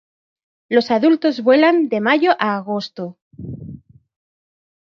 Los adultos vuelan de mayo a agosto.